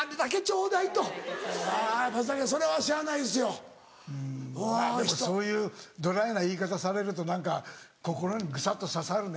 うんまぁでもそういうドライな言い方されると何か心にぐさっと刺さるね。